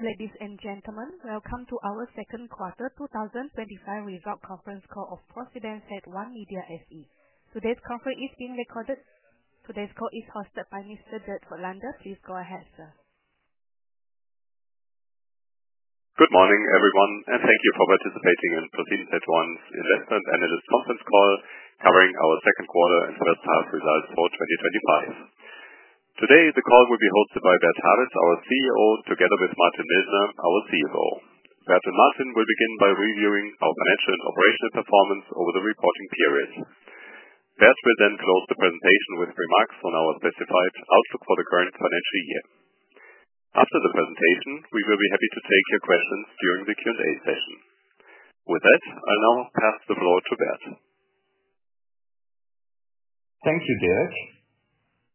Ladies and gentlemen, welcome to our second quarter 2025 Result Conference call of ProSiebenSat.1 Media SE. Today's conference is being recorded. Today's call is hosted by Mr. Dirk Voigtländer. Please go ahead, sir. Good morning, everyone, and thank you for participating in ProSiebenSat.1's investment analyst conference call covering our second quarter and first half results for 2025. Today, the call will be hosted by Bert Habets, our CEO, together with Martin Mildner, our CFO. Bert and Martin will begin by reviewing our financial and operational performance over the reporting periods. Bert will then close the presentation with remarks on our specified outlook for the current financial year. After the presentation, we will be happy to take your questions during the Q&A session. With this, I'll now pass the floor to Bert. Thank you, Dirk.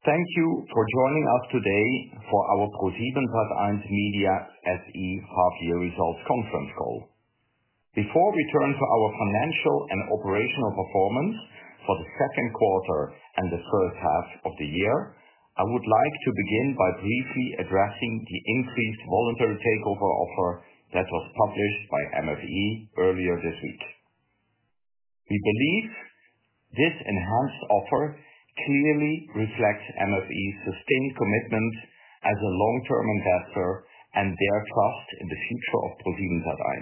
Thank you for joining us today for our ProSiebenSat.1 Media SE half-year results conference call. Before we turn to our financial and operational performance for the second quarter and the first half of the year, I would like to begin by briefly addressing the increased voluntary takeover offer that was published by MFE earlier this week. We believe this enhanced offer clearly reflects MFE's sustained commitment as a long-term investor and their trust in the future of ProSiebenSat.1.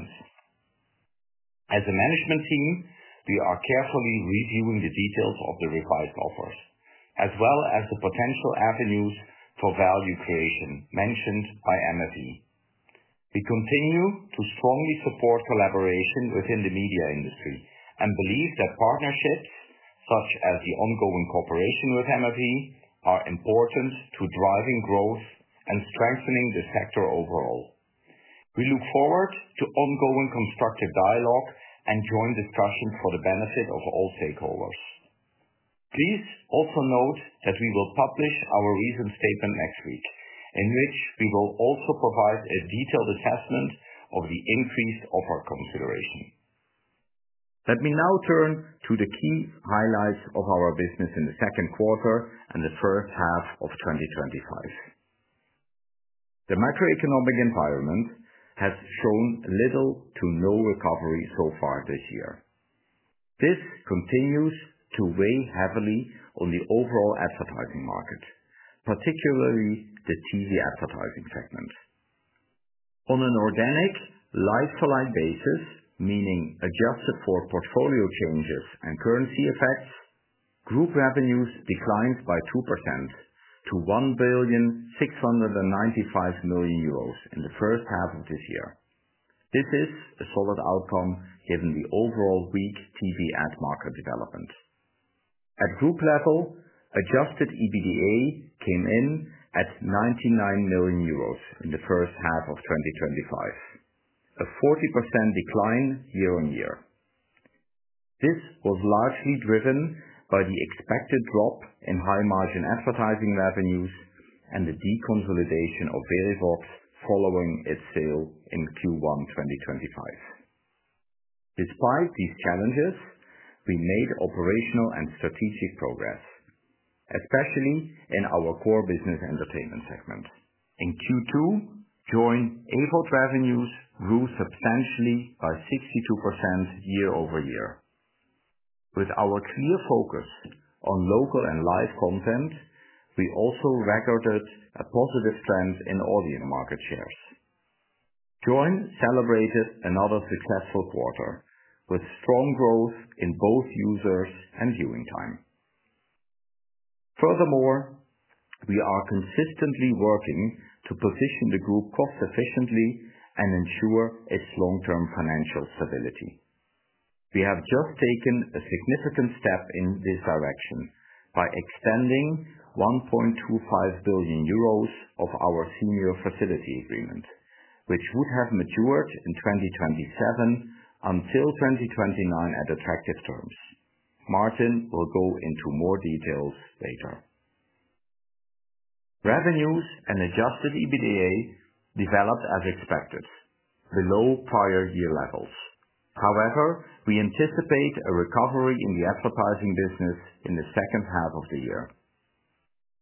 As a management team, we are carefully reviewing the details of the revised offers, as well as the potential avenues for value creation mentioned by MFE. We continue to strongly support collaboration within the media industry and believe that partnerships, such as the ongoing cooperation with MFE, are important to driving growth and strengthening the sector overall. We look forward to ongoing constructive dialogue and joint discussion for the benefit of all stakeholders. Please also note that we will publish our recent statement next week, in which we will also provide a detailed assessment of the increased offer consideration. Let me now turn to the key highlights of our business in the second quarter and the first half of 2025. The macroeconomic environment has shown little to no recovery so far this year. This continues to weigh heavily on the overall advertising market, particularly the TV advertising segment. On an organic, like-to-like basis, meaning adjusted for portfolio changes and currency effects, group revenues declined by 2% to 1.695 billion euros in the first half of this year. This is a solid outcome given the overall weak TV ad market development. At group level, adjusted EBITDA came in at 99 million euros in the first half of 2025, a 40% decline year-on-year. This was largely driven by the expected drop in high-margin advertising revenues and the deconsolidation of Verivox following its sale in Q1 2025. Despite these challenges, we made operational and strategic progress, especially in our core business entertainment segment. In Q2, joint AVOD revenues rose substantially by 62% year-over-year. With our clear focus on local and live content, we also recorded a positive trend in audience market shares. Joyn celebrated another successful quarter with strong growth in both users and viewing time. Furthermore, we are consistently working to position the group cost-efficiently and ensure its long-term financial stability. We have just taken a significant step in this direction by extending 1.25 billion euros of our senior facility agreement, which would have matured in 2027, until 2029 at attractive terms. Martin will go into more details later. Revenues and adjusted EBITDA developed as expected, below prior year levels. However, we anticipate a recovery in the advertising business in the second half of the year.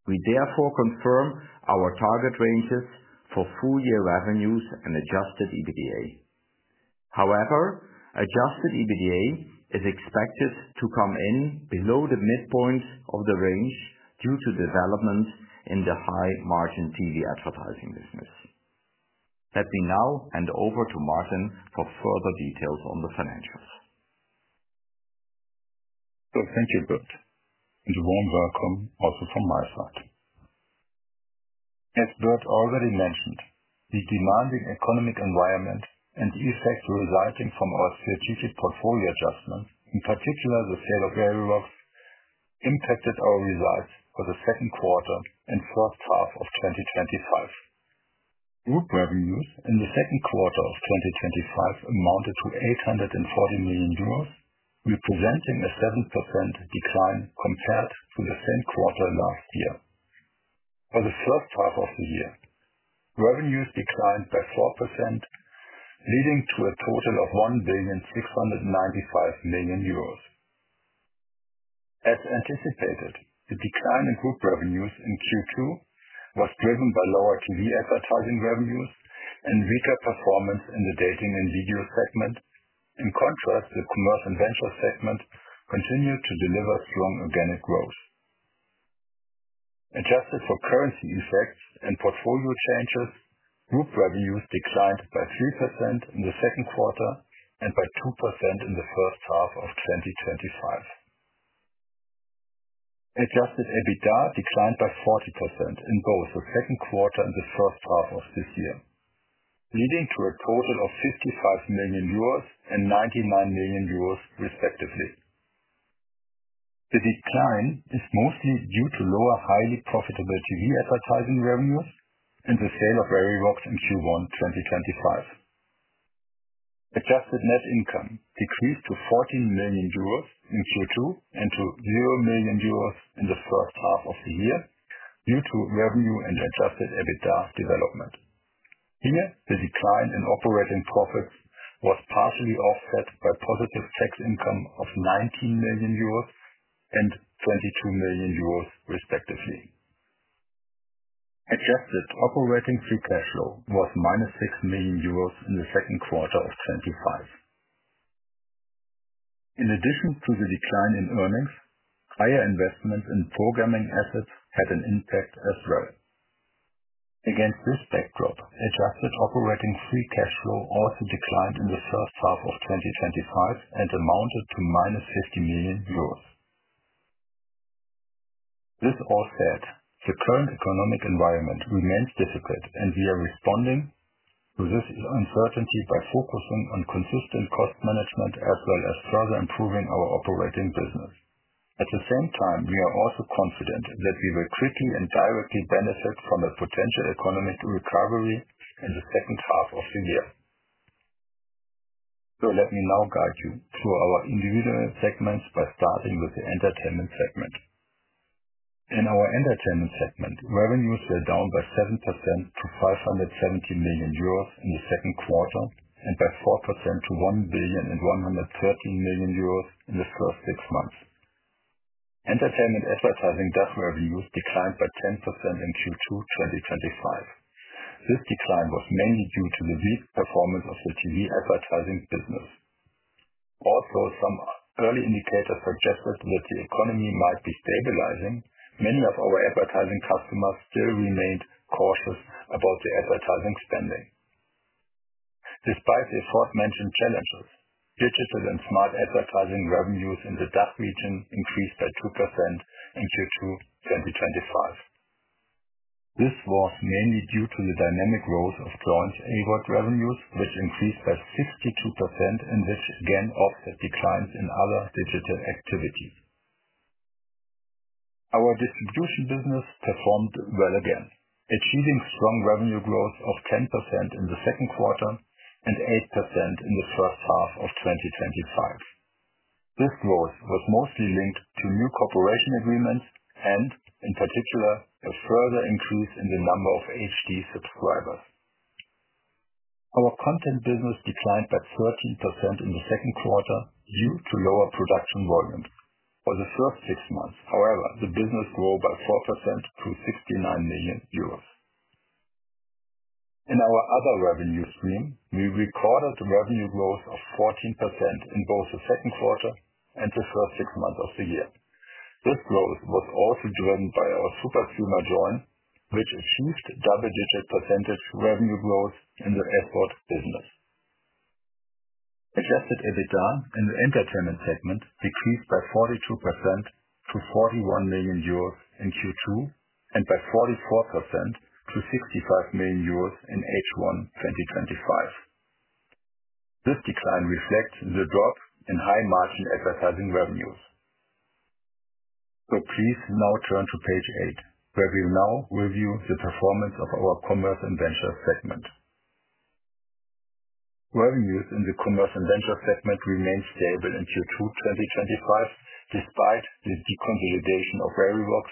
We therefore confirm our target ranges for full-year revenues and adjusted EBITDA. However, adjusted EBITDA is expected to come in below the midpoint of the range due to development in the high-margin TV advertising business. Let me now hand over to Martin for further details on the financials. Thank you, Dirk. A warm welcome also from my side. As Dirk already mentioned, the demanding economic environment and the effects resulting from our strategic portfolio adjustment, in particular the sale of Verivox, impacted our results for the second quarter and first half of 2025. Group revenues in the second quarter of 2025 amounted to 840 million euros, representing a 7% decline compared to the same quarter last year. For the first half of the year, revenues declined by 4%, leading to a total of 1.695 billion euros. As anticipated, the decline in group revenues in Q2 was driven by lower TV advertising revenues and weaker performance in the dating and video segment. In contrast, the commerce and venture segment continued to deliver strong organic growth. Adjusted for currency effects and portfolio changes, group revenues declined by 3% in the second quarter and by 2% in the first half of 2025. Adjusted EBITDA declined by 40% in both the second quarter and the first half of this year, leading to a total of 55 million euros and 99 million euros, respectively. The decline is mostly due to lower, highly profitable TV advertising revenues and the sale of Verivox in Q1 2025. Adjusted net income decreased to 14 million euros in Q2 and to 0 million euros in the first half of the year due to revenue and adjusted EBITDA development. Here, the decline in operating profits was partially offset by positive tax income of 19 million euros and 22 million euros, respectively. Adjusted operating free cash flow was -6 million euros in the second quarter of 2025. In addition to the decline in earnings, higher investments in programming assets had an impact as well. Against this backdrop, adjusted operating free cash flow also declined in the first half of 2025 and amounted to -50 million euros. This all said, the current economic environment remains difficult, and we are responding to this uncertainty by focusing on consistent cost management as well as further improving our operating business. At the same time, we are also confident that we will quickly and directly benefit from a potential economic recovery in the second half of the year. Let me now guide you through our individual segments by starting with the entertainment segment. In our entertainment segment, revenues were down by 7% to 570 million euros in the second quarter and by 4% to 1.113 billion in the first six months. Entertainment advertising revenues declined by 10% in Q2 2025. This decline was mainly due to the weak performance of the TV advertising business. Although some early indicators suggested that the economy might be stabilizing, many of our advertising customers still remained cautious about their advertising spending. Despite the aforementioned challenges, digital and smart advertising revenues in the DACH region increased by 2% in Q2 2025. This was mainly due to the dynamic growth of joint AVOD revenues, which increased by 62% and which again offset declines in other digital activities. Our distribution business performed well again, achieving strong revenue growth of 10% in the second quarter and 8% in the first half of 2025. This growth was mostly linked to new cooperation agreements and, in particular, a further increase in the number of HD subscribers. Our content business declined by 13% in the second quarter due to lower production volumes for the first six months. However, the business grew by 4% to 69 million euros. In our other revenue stream, we recorded revenue growth of 14% in both the second quarter and the first six months of the year. This growth was also driven by our super-sumer joint, which achieved double-digit percentage revenue growth in the AVOD business. Adjusted EBITDA in the entertainment segment decreased by 42% to 41 million euros in Q2 and by 44% to 65 million euros in H1 2025. This decline reflects the drop in high-margin advertising revenues. Please now turn to page eight, where we'll now review the performance of our commerce and venture segment. Revenues in the commerce and venture segment remained stable in Q2 2025 despite the deconsolidation of Verivox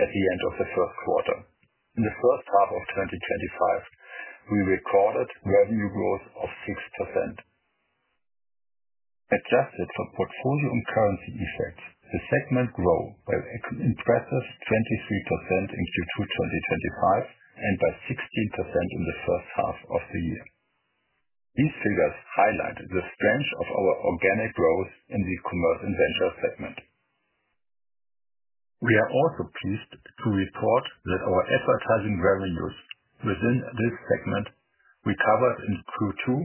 at the end of the first quarter. In the first half of 2025, we recorded revenue growth of 6%. Adjusted for portfolio and currency effects, the segment grew by an impressive 23% in Q2 2025 and by 16% in the first half of the year. These figures highlight the strength of our organic growth in the commerce and venture segment. We are also pleased to report that our advertising revenues within this segment recovered in Q2 2025,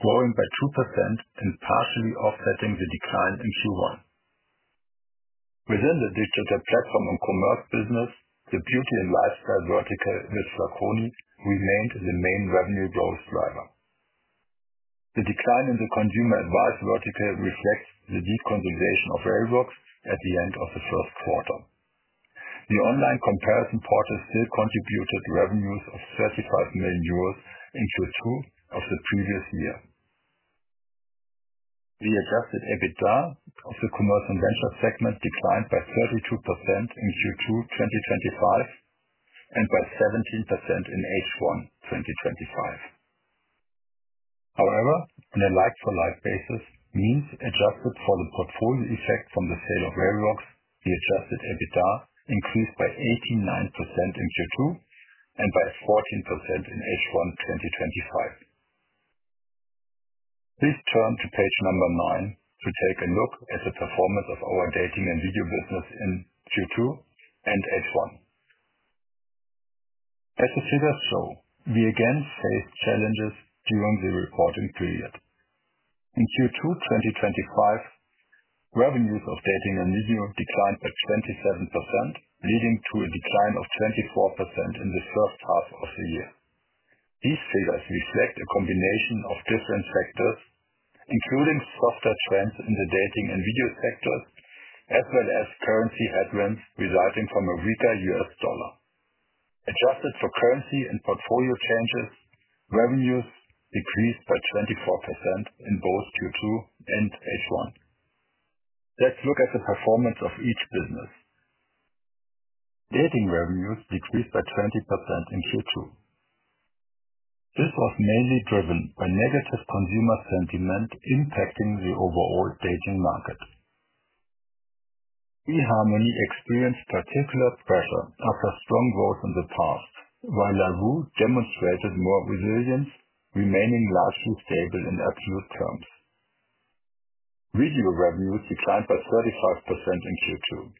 growing by 2% and partially offsetting the decline in Q1. Within the digital platform and commerce business, the beauty and lifestyle vertical with Flaconi remained the main revenue growth driver. The decline in the consumer advice vertical reflects the deconsolidation of Verivox at the end of the first quarter. The online comparison portal still contributed revenues of 35 million euros in Q2 of the previous year. The adjusted EBITDA of the commerce and venture segment declined by 32% in Q2 2025 and by 17% in H1 2025. However, on a like-to-like basis, meaning adjusted for the portfolio effect from the sale of Verivox, the adjusted EBITDA increased by 89% in Q2 and by 14% in H1 2025. Please turn to page number nine to take a look at the performance of our dating and video business in Q2 and H1. As the figures show, we again faced challenges during the reporting period. In Q2 2025, revenues of dating and video declined by 27%, leading to a decline of 24% in the first half of the year. These figures reflect a combination of different sectors, including softer trends in the dating and video sectors, as well as currency headwinds resulting from a weaker U.S. dollar. Adjusted for currency and portfolio changes, revenues decreased by 24% in both Q2 and H1. Let's look at the performance of each business. Dating revenues decreased by 20% in Q2. This was mainly driven by negative consumer sentiment impacting the overall dating market. eHarmony experienced particular pressure after strong growth in the past, while Parship demonstrated more resilience, remaining largely stable in absolute terms. Video revenues declined by 35% in Q2.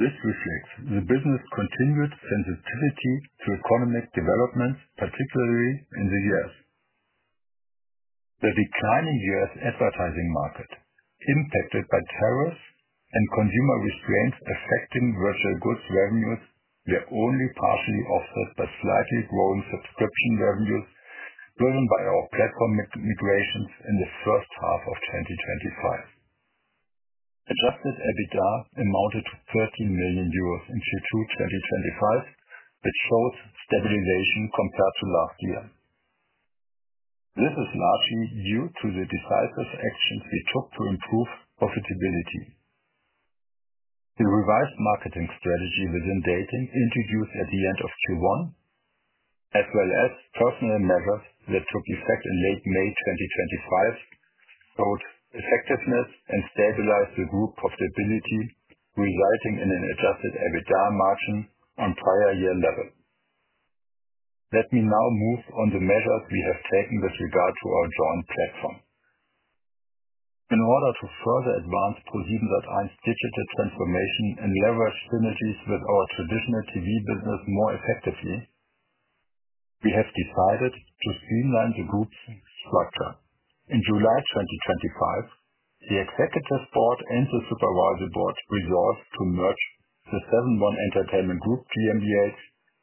This reflects the business's continued sensitivity to economic developments, particularly in the U.S. The declining U.S. advertising market, impacted by tariffs and consumer restraints affecting virtual goods revenues, were only partially offset by slightly growing subscription revenues driven by our platform migrations in the first half of 2025. Adjusted EBITDA amounted to 30 million euros in Q2 2025, which shows stabilization compared to last year. This is largely due to the decisive actions we took to improve profitability. The revised marketing strategy within dating introduced at the end of Q1, as well as personnel measures that took effect in late May 2025, showed effectiveness and stabilized the group profitability, resulting in an adjusted EBITDA margin on prior year levels. Let me now move on to measures we have taken with regard to our joint platform. In order to further advance ProSiebenSat.1's digital transformation and leverage synergies with our traditional TV business more effectively, we have decided to streamline the group's structure. In July 2025, the Executive Board and the Supervisory Board resolved to merge the Seven.One Entertainment Group GmbH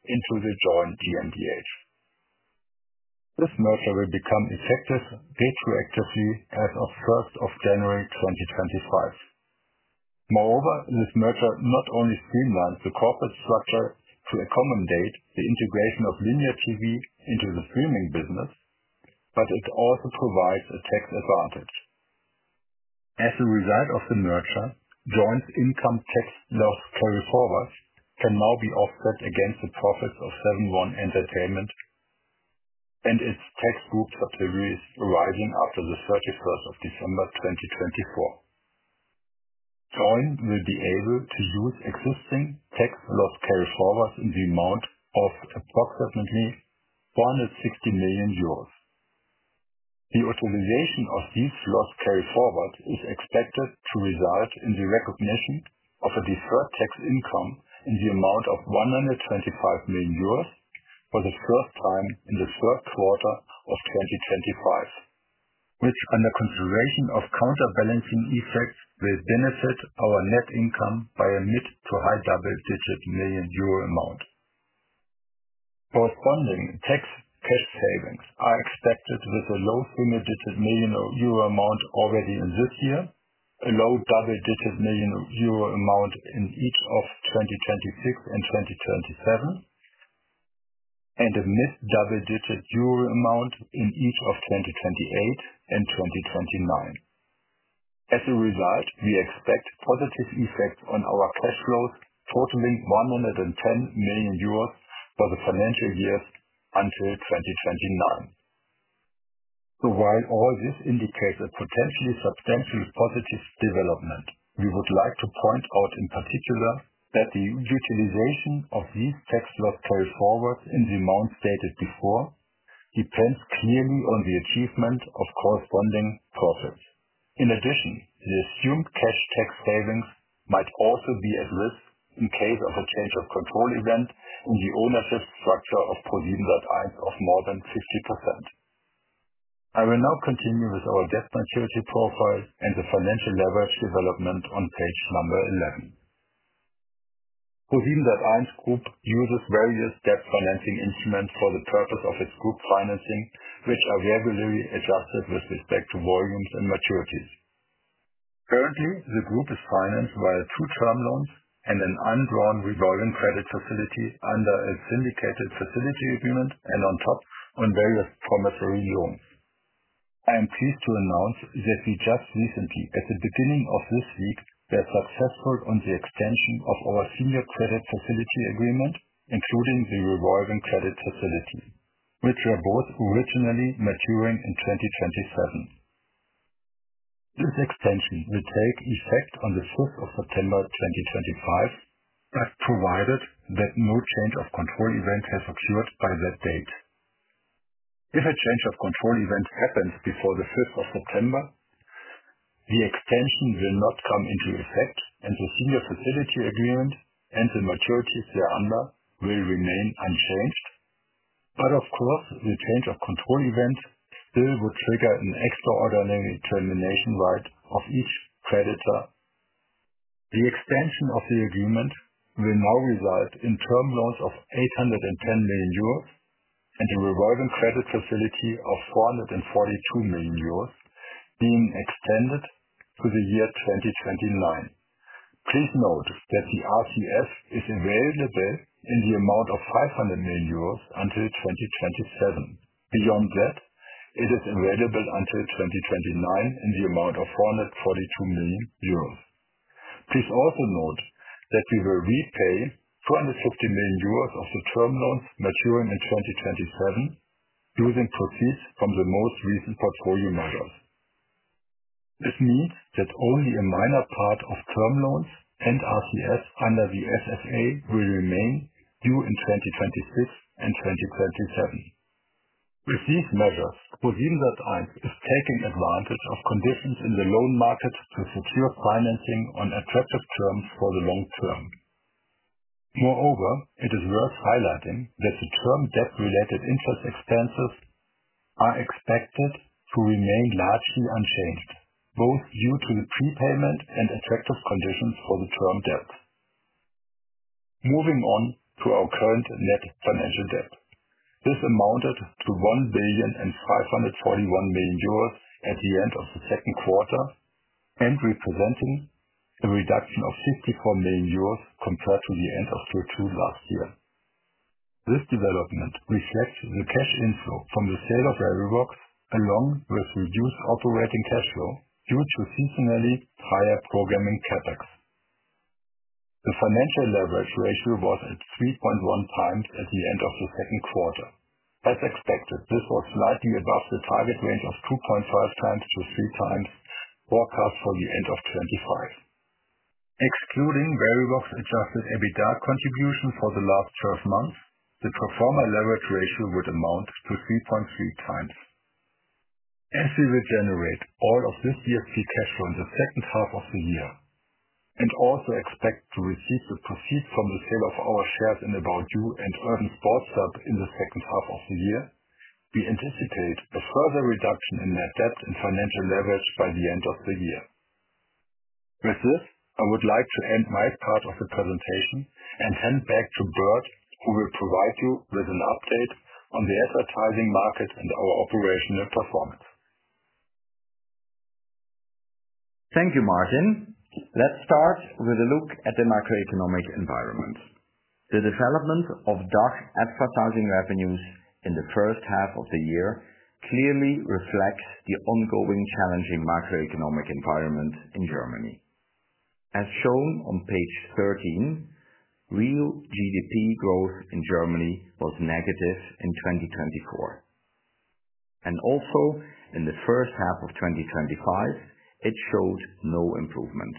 into the Joyn GmbH. This merger will become effective retroactively as of January 1, 2025. Moreover, this merger not only streamlines the corporate structure to accommodate the integration of linear TV into the streaming business, but it also provides a tax advantage. As a result of the merger, joint income tax loss carried forward can now be offset against the profits of Seven.One Entertainment and its tax group subsidiaries arising after December 31, 2024. Joyn will be able to use existing tax loss carried forward in the amount of approximately 460 million euros. The utilization of these loss carried forward is expected to result in the recognition of a deferred tax income in the amount of 125 million euros for the first time in the third quarter of 2025, which, under consideration of counterbalancing effects, will benefit our net income by a mid to high double-digit million euro amount. Corresponding tax cash savings are expected with a low single-digit million euro amount already in this year, a low double-digit million euro amount in each of 2026 and 2027, and a mid double-digit million euro amount in each of 2028 and 2029. As a result, we expect positive effects on our cash flows totaling 110 million euros for the financial years until 2029. While all this indicates a potentially substantial positive development, we would like to point out in particular that the utilization of these tax loss carried forward in the amounts stated before depends clearly on the achievement of corresponding profits. In addition, the assumed cash tax savings might also be at risk in case of a change of control event in the ownership structure of ProSiebenSat.1 of more than 50%. I will now continue with our debt maturity profile and the financial leverage development on page number 11. ProSiebenSat.1's group uses various debt financing instruments for the purpose of its group financing, which are regularly adjusted with respect to volumes and maturities. Currently, the group is financed via two term loans and an undrawn revolving credit facility under a syndicated facility agreement and on top of various promissory loans. I am pleased to announce that we just recently, at the beginning of this week, were successful on the extension of our senior facility agreement, including the revolving credit facility, which were both originally maturing in 2027. This extension will take effect on 5th September 2025, provided that no change of control event has occurred by that date. If a change of control event happens before the 5th September, the extension will not come into effect, and the senior facility agreement and the maturities thereunder will remain unchanged. Of course, the change of control event still would trigger an extraordinary termination right of each creditor. The extension of the agreement will now result in term loans of 810 million euros and a revolving credit facility of 442 million euros being extended to the year 2029. Please note that the RCF is available in the amount of 500 million euros until 2027. Beyond that, it is available until 2029 in the amount of 442 million euros. Please also note that we will repay 250 million euros of the term loans maturing in 2027 using proceeds from the most recent portfolio measures. This means that only a minor part of term loans and RCF under the SFA will remain due in 2026 and 2027. With these measures, ProSiebenSat.1 is taking advantage of conditions in the loan market to secure financing on attractive terms for the long term. Moreover, it is worth highlighting that the term debt-related interest expenses are expected to remain largely unchanged, both due to the prepayment and attractive conditions for the term debt. Moving on to our current net financial debt. This amounted to 1.541 billion euros at the end of the second quarter, representing a reduction of 54 million euros compared to the end of Q2 last year. This development reflects the cash inflow from the sale of Verivox, along with reduced operating cash flow due to seasonally higher programming CapEx. The financial leverage ratio was at 3.1x at the end of the second quarter. As expected, this was slightly above the target range of 2.5x-3x forecast for the end of 2025. Excluding Verivox's adjusted EBITDA contribution for the last 12 months, the pro forma leverage ratio would amount to 3.3x. As we will generate all of this DSP cash flow in the second half of the year and also expect to receive the proceeds from the sale of our shares in About You and Urban Sports Hub in the second half of the year, we anticipate a further reduction in net debt and financial leverage by the end of the year. With this, I would like to end my part of the presentation and hand back to Bert, who will provide you with an update on the advertising market and our operational performance. Thank you, Martin. Let's start with a look at the macroeconomic environment. The development of DACH advertising revenues in the first half of the year clearly reflects the ongoing challenging macroeconomic environment in Germany. As shown on page 13, real GDP growth in Germany was negative in 2024. Also, in the first half of 2025, it showed no improvement.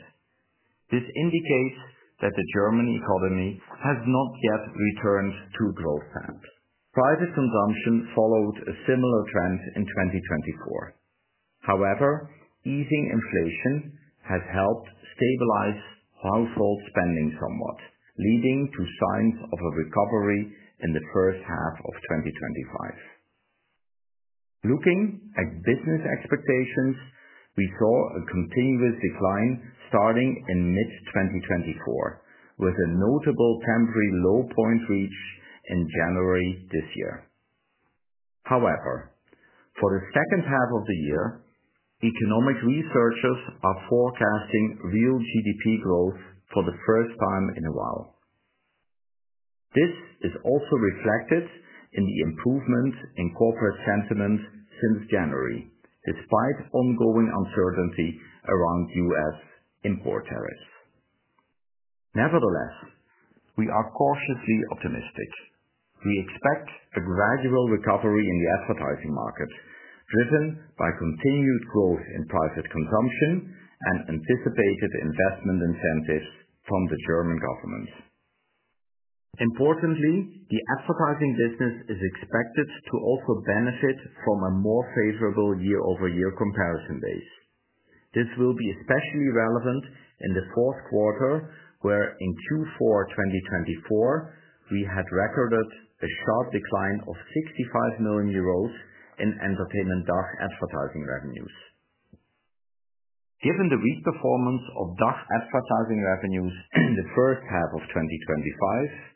This indicates that the German economy has not yet returned to growth trends. Private consumption followed a similar trend in 2024. However, easing inflation has helped stabilize household spending somewhat, leading to signs of a recovery in the first half of 2025. Looking at business expectations, we saw a continuous decline starting in mid-2024, with a notable temporary low point reached in January this year. For the second half of the year, economic researchers are forecasting real GDP growth for the first time in a while. This is also reflected in the improvement in corporate sentiment since January, despite ongoing uncertainty around U.S. import tariffs. Nevertheless, we are cautiously optimistic. We expect a gradual recovery in the advertising market, driven by continued growth in private consumption and anticipated investment incentives from the German government. Importantly, the advertising business is expected to also benefit from a more favorable year-over-year comparison base. This will be especially relevant in the fourth quarter, where in Q4 2024, we had recorded a sharp decline of 65 million euros in entertainment DACH advertising revenues. Given the weak performance of DACH advertising revenues in the first half of 2025,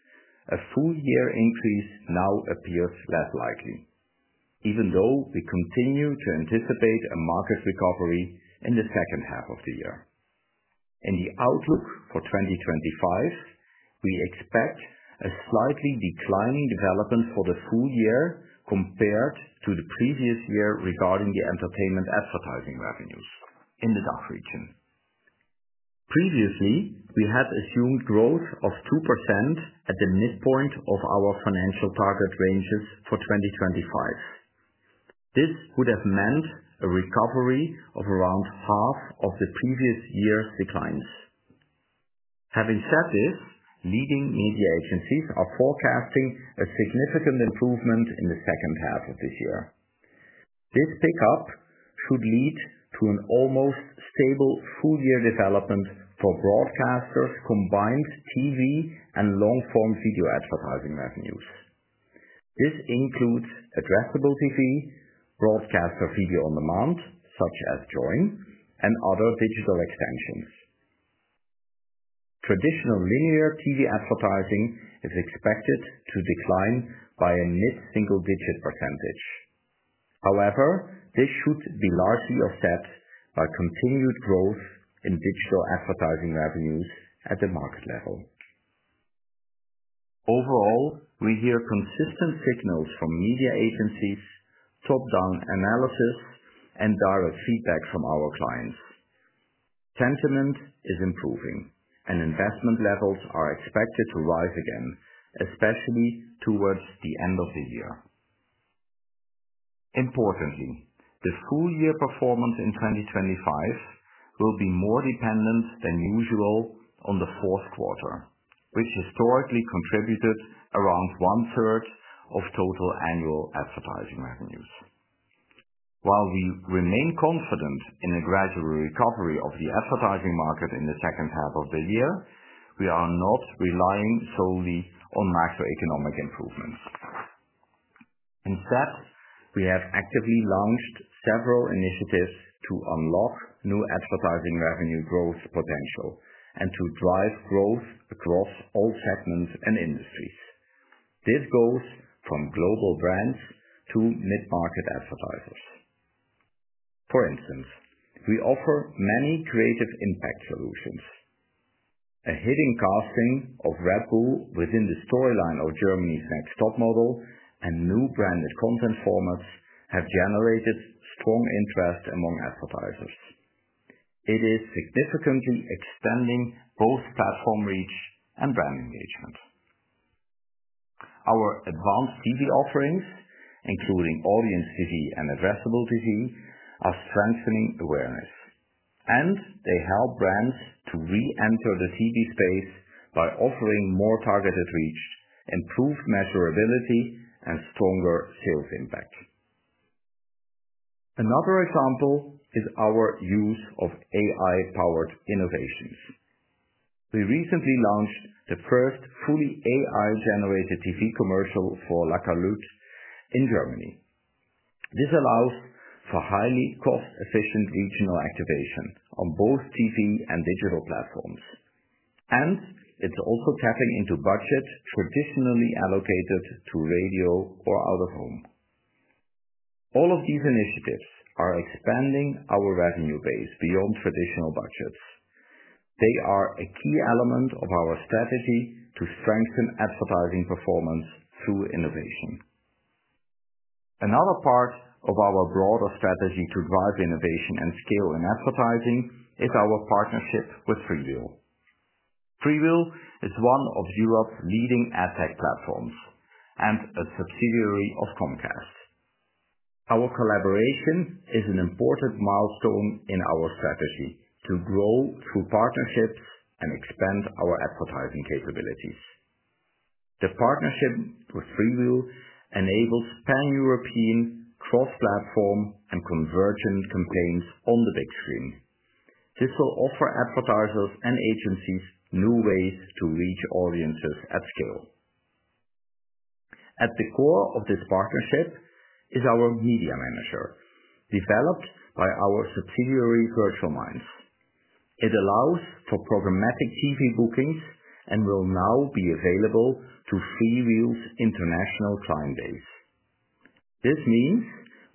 a full-year increase now appears less likely, even though we continue to anticipate a market recovery in the second half of the year. In the outlook for 2025, we expect a slightly declining development for the full year compared to the previous year regarding the entertainment advertising revenues in the DACH region. Previously, we had assumed growth of 2% at the midpoint of our financial target ranges for 2025. This would have meant a recovery of around half of the previous year's declines. Having said this, leading media agencies are forecasting a significant improvement in the second half of this year. This pickup could lead to an almost stable full-year development for broadcasters, combined TV, and long-form video advertising revenues. This includes addressable TV, broadcaster video on demand, such as Joyn, and other digital extensions. Traditional linear TV advertising is expected to decline by a mid-single-digit percentage. However, this should be largely offset by continued growth in digital advertising revenues at the market level. Overall, we hear consistent signals from media agencies, top-down analysis, and direct feedback from our clients. Sentiment is improving, and investment levels are expected to rise again, especially towards the end of the year. Importantly, the full-year performance in 2025 will be more dependent than usual on the fourth quarter, which historically contributed around one-third of total annual advertising revenues. While we remain confident in a gradual recovery of the advertising market in the second half of the year, we are not relying solely on macroeconomic improvements. Instead, we have actively launched several initiatives to unlock new advertising revenue growth potential and to drive growth across all segments and industries. This goes from global brands to mid-market advertisers. For instance, we offer many creative impact solutions. A hidden casting of Red Bull within the storyline of Germany's Next Topmodel and new branded content formats have generated strong interest among advertisers. It is significantly extending both platform reach and brand engagement. Our advanced TV offerings, including audience TV and addressable TV, are strengthening awareness, and they help brands to re-enter the TV space by offering more targeted reach, improved measurability, and stronger sales impact. Another example is our use of AI-powered innovations. We recently launched the first fully AI-generated TV commercial for Lacalut in Germany. This allows for highly cost-efficient regional activation on both TV and digital platforms, and it's also tapping into budgets traditionally allocated to radio or out of home. All of these initiatives are expanding our revenue base beyond traditional budgets. They are a key element of our strategy to strengthen advertising performance through innovation. Another part of our broader strategy to drive innovation and scale in advertising is our partnership with FreeWheel. FreeWheel is one of Europe's leading ad tech platforms and a subsidiary of Comcast. Our collaboration is an important milestone in our strategy to grow through partnerships and expand our advertising capabilities. The partnership with FreeWheel enables pan-European cross-platform and convergent campaigns on the big screen. This will offer advertisers and agencies new ways to reach audiences at scale. At the core of this partnership is our Media Manager, developed by our subsidiary Virtual Minds. It allows for programmatic TV bookings and will now be available to FreeWheel's international client base. This means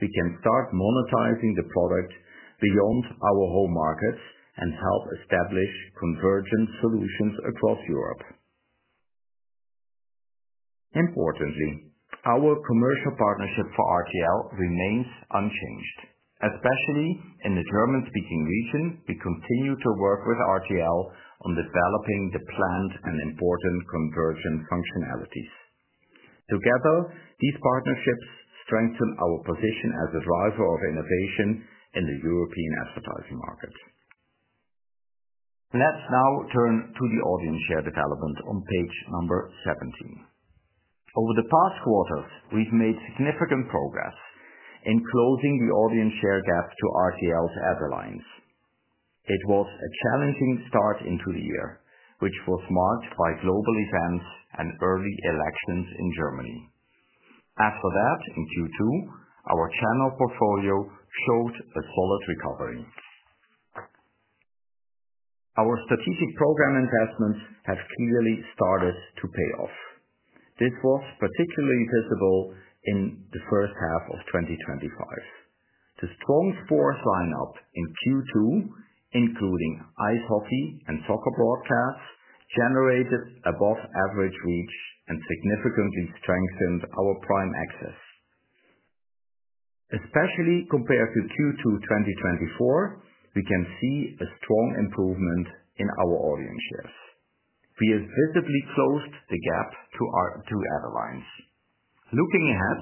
we can start monetizing the product beyond our home markets and help establish convergent solutions across Europe. Importantly, our commercial partnership for RTL remains unchanged, especially in the German-speaking region. We continue to work with RTL on developing the planned and important convergent functionalities. Together, these partnerships strengthen our position as a driver of innovation in the European advertising market. Let's now turn to the audience share development on page number 17. Over the past quarter, we've made significant progress in closing the audience share gap to RTL's Ad Alliance. It was a challenging start into the year, which was marked by global events and early elections in Germany. After that, in Q2, our channel portfolio showed a solid recovery. Our strategic program investments have clearly started to pay off. This was particularly visible in the first half of 2025. The strong sports lineup in Q2, including ice hockey and soccer broadcasts, generated above-average reach and significantly strengthened our prime access. Especially compared to Q2 2024, we can see a strong improvement in our audience shares. We have visibly closed the gap to our two Ad Alliance. Looking ahead,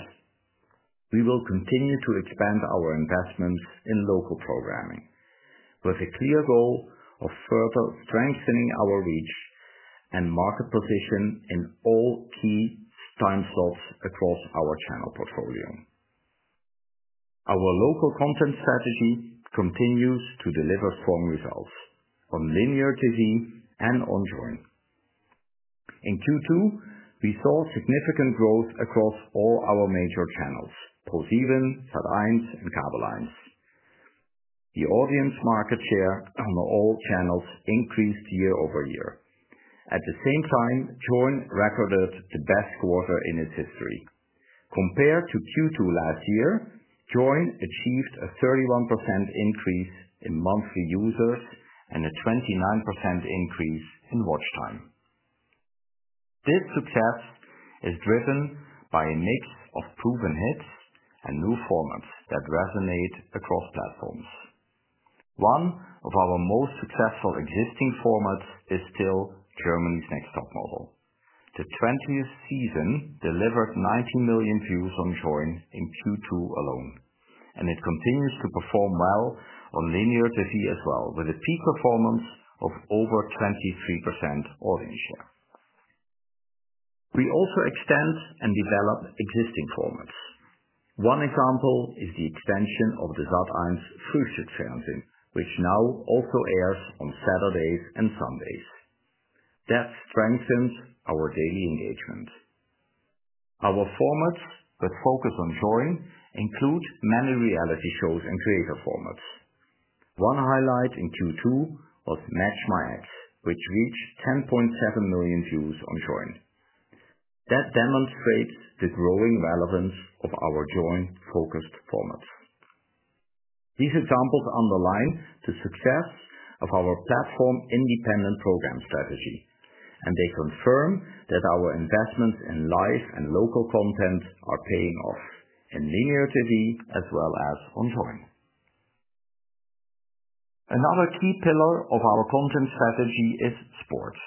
we will continue to expand our investments in local programming with a clear goal of further strengthening our reach and market position in all key time slots across our channel portfolio. Our local content strategy continues to deliver strong results on linear TV and on Joyn. In Q2, we saw significant growth across all our major channels: ProSieben, Sat.1, and Kabel Eins. The audience market share on all channels increased year-over-year. At the same time, Joyn recorded the best quarter in its history. Compared to Q2 last year, Joyn achieved a 31% increase in monthly users and a 29% increase in watch time. This success is driven by a mix of proven hits and new formats that resonate across platforms. One of our most successful existing formats is still Germany's Next Topmodel. The 20th season delivered 19 million views on Joyn in Q2 alone, and it continues to perform well on linear TV as well, with a peak performance of over 23% audience share. We also extend and develop existing formats. One example is the extension of Sat.1's Frühstücksfernsehen, which now also airs on Saturdays and Sundays. That strengthens our daily engagement. Our formats, with focus on Joyn, include many reality shows and creator formats. One highlight in Q2 was Match My Ex, which reached 10.7 million views on Joyn. That demonstrates the growing relevance of our Joyn-focused format. These examples underline the success of our platform-independent program strategy, and they confirm that our investments in live and local content are paying off in linear TV as well as on Joyn. Another key pillar of our content strategy is sports.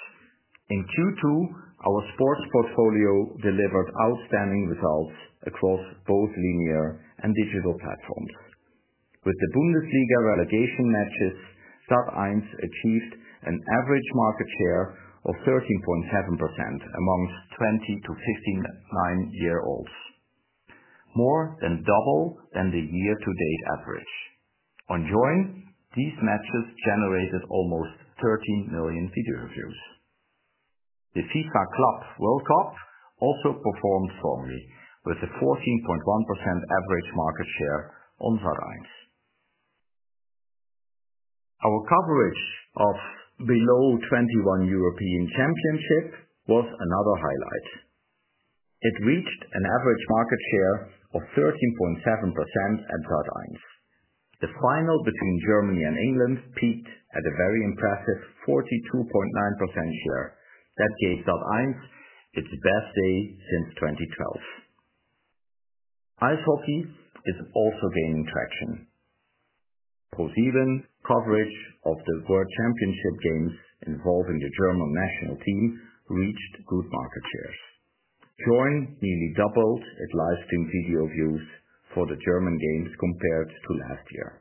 In Q2, our sports portfolio delivered outstanding results across both linear and digital platforms. With the Bundesliga relegation matches, Sat.1 achieved an average market share of 13.7% amongst 20-59-year-olds, more than double the year-to-date average. On Joyn, these matches generated almost 13 million video views. The FIFA Club World Cup also performed strongly, with a 14.1% average market share on Sat.1. Our coverage of the under-21 European Championship was another highlight. It reached an average market share of 13.7% at Sat.1. The final between Germany and England peaked at a very impressive 42.9% share. That gave Sat.1 its best day since 2012. Ice hockey is also gaining traction. ProSieben coverage of the World Championship games involving the German national team reached good market shares. Joyn nearly doubled its live stream video views for the German games compared to last year.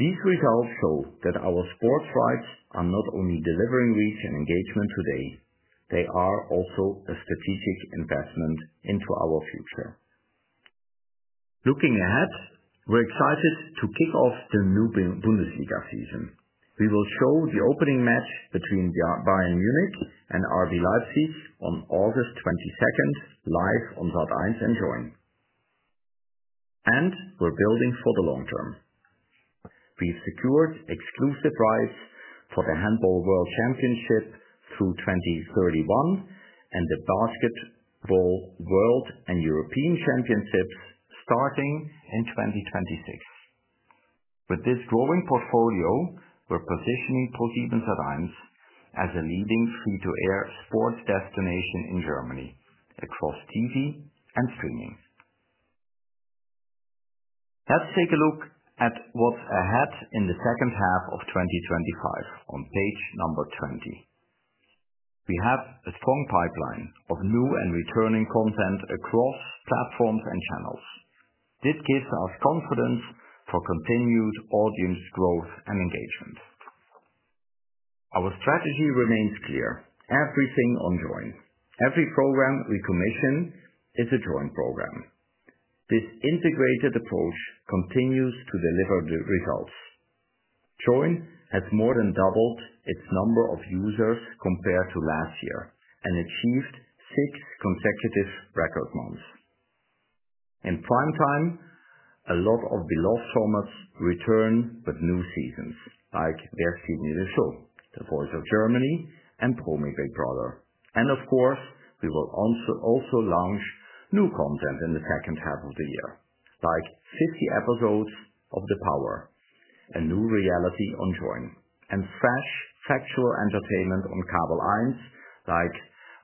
These results show that our sports rights are not only delivering reach and engagement today, they are also a strategic investment into our future. Looking ahead, we're excited to kick off the new Bundesliga season. We will show the opening match between Bayern Munich and RB Leipzig on August 22 live on Sat.1 and Joyn. We're building for the long term. We've secured exclusive rights for the Handball World Championship through 2031 and the Basketball World and European Championships starting in 2026. With this growing portfolio, we're positioning ProSiebenSat.1 as a leading free-to-air sports destination in Germany across TV and streaming. Let's take a look at what's ahead in the second half of 2025 on page number 20. We have a strong pipeline of new and returning content across platforms and channels. This gives us confidence for continued audience growth and engagement. Our strategy remains clear: everything on Joyn. Every program we commission is a Joyn program. This integrated approach continues to deliver good results. Joyn has more than doubled its number of users compared to last year and achieved six consecutive record months. In prime time, a lot of beloved formats return with new seasons like Die große Show der Sieger, The Voice of Germany, and Promi Big Brother. We will also launch new content in the second half of the year, like 50 episodes of The Power a new reality on Joyn, and fresh factual entertainment on Kabel Eins like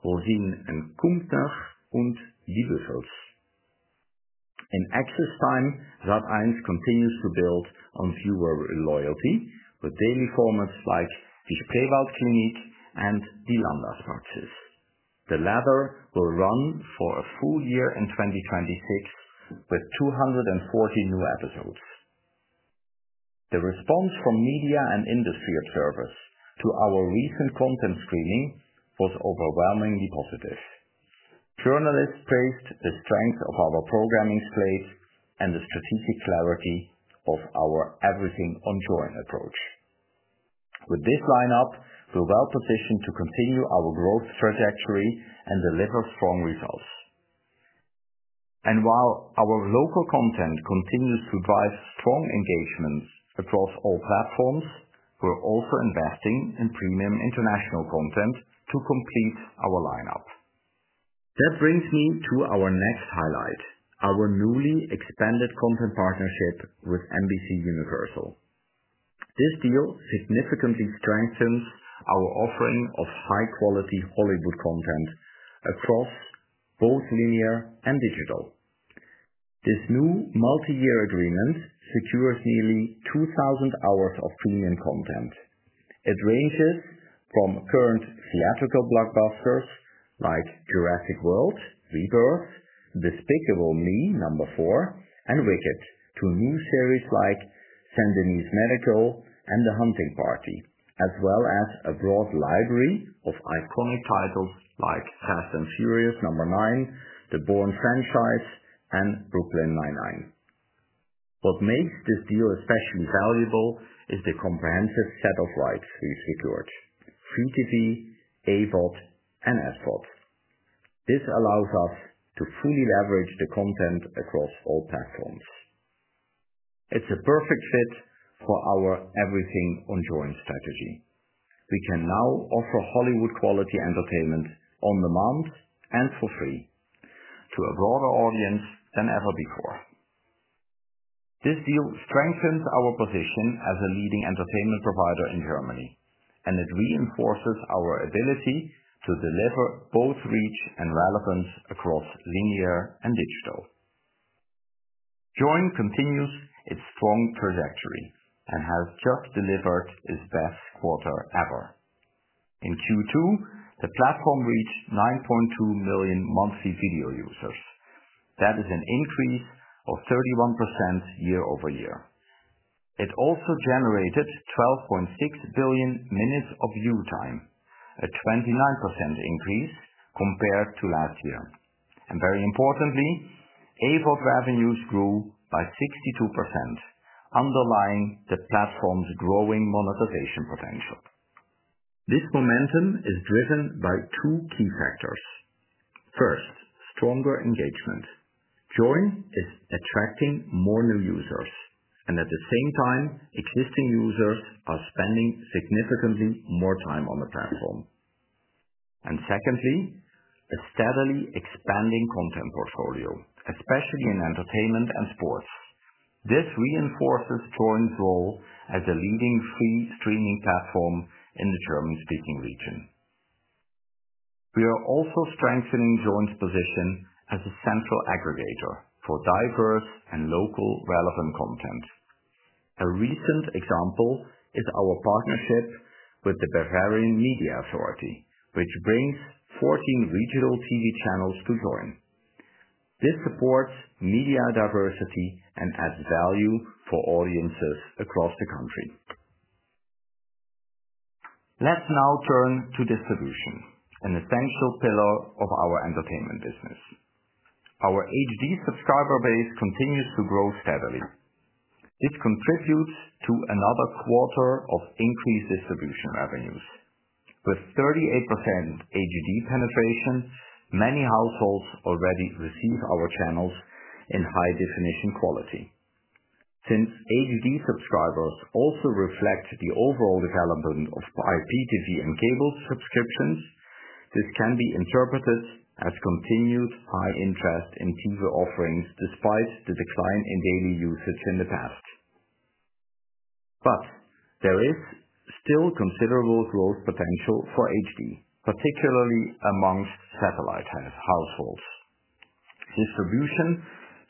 Wolff & Kumptner und Die Würfels. In access time, Sat.1 continues to build on viewer loyalty with daily formats like Die Spreewaldklinik and Die Landarztpraxis. The latter will run for a full year in 2026 with 240 new episodes. The response from media and industry observers to our recent content streaming was overwhelmingly positive. Journalists praised the strength of our programming space and the strategic clarity of our everything on Joyn approach. With this lineup, we're well positioned to continue our growth trajectory and deliver strong results. While our local content continues to drive strong engagements across all platforms, we're also investing in premium international content to complete our lineup. That brings me to our next highlight: our newly expanded content partnership with NBCUniversal. This deal significantly strengthens our offering of high-quality Hollywood content across both linear and digital. This new multi-year agreement secures nearly 2,000 hours of premium content. It ranges from current theatrical blockbusters like Jurassic World, Rebirth, Despicable Me 4, and Wicked to new series like Sendinese Medical and The Hunting Party, as well as a broad library of iconic titles like Fast and Furious 9, The Bourne Franchise, and Brooklyn Nine-Nine. What makes this deal especially valuable is the comprehensive set of rights we've secured: Free TV, AVOD, and SVOD. This allows us to fully leverage the content across all platforms. It's a perfect fit for our everything on Joyn strategy. We can now offer Hollywood quality entertainment on demand and for free to a broader audience than ever before. This deal strengthens our position as a leading entertainment provider in Germany, and it reinforces our ability to deliver both reach and relevance across linear and digital. Joyn continues its strong trajectory and has just delivered its best quarter ever. In Q2, the platform reached 9.2 million monthly video users. That is an increase of 31% year-over-year. It also generated 12.6 billion minutes of view time, a 29% increase compared to last year. Very importantly, AVOD revenues grew by 62%, underlining the platform's growing monetization potential. This momentum is driven by two key factors. First, stronger engagement. Joyn is attracting more new users, and at the same time, existing users are spending significantly more time on the platform. Secondly, a steadily expanding content portfolio, especially in entertainment and sports. This reinforces Joyn's role as a leading free streaming platform in the German-speaking region. We are also strengthening Joyn's position as a central aggregator for diverse and locally relevant content. A recent example is our partnership with the Bavarian Media Authority, which brings 14 regional TV channels to Joyn. This supports media diversity and adds value for audiences across the country. Let's now turn to distribution, an essential pillar of our entertainment business. Our HD subscriber base continues to grow steadily. This contributes to another quarter of increased distribution revenues. With 38% HD penetration, many households already receive our channels in high-definition quality. Since HD subscribers also reflect the overall development of IPTV and cable subscriptions, this can be interpreted as continued high interest in TV offerings despite the decline in daily usage in the past. There is still considerable growth potential for HD, particularly amongst satellite households. Distribution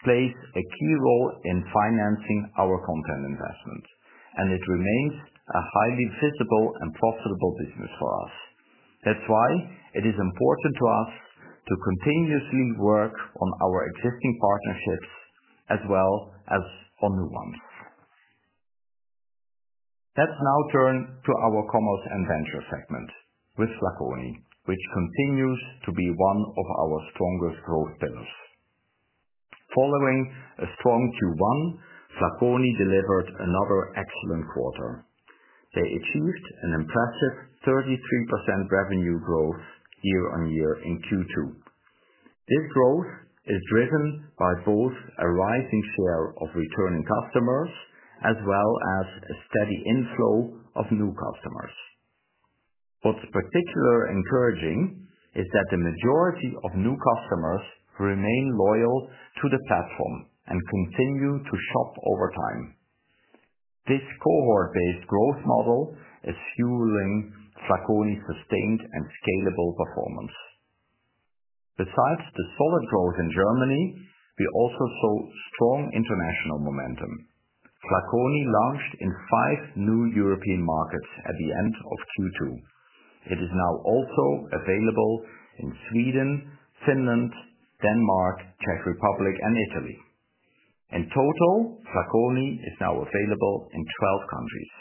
plays a key role in financing our content investments, and it remains a highly visible and profitable business for us. That's why it is important to us to continuously work on our existing partnerships as well as on new ones. Let's now turn to our commerce and venture segment with Flaconi, which continues to be one of our strongest growth pillars. Following a strong Q1, Flaconi delivered another excellent quarter. They achieved an impressive 33% revenue growth year-on-year in Q2. This growth is driven by both a rising share of returning customers as well as a steady inflow of new customers. What's particularly encouraging is that the majority of new customers remain loyal to the platform and continue to shop over time. This cohort-based growth model is fueling Flaconi's sustained and scalable performance. Besides the solid growth in Germany, we also saw strong international momentum. Flaconi launched in five new European markets at the end of Q2. It is now also available in Sweden, Finland, Denmark, Czech Republic, and Italy. In total, Flaconi is now available in 12 countries.